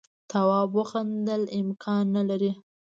تواب وخندل امکان نه لري.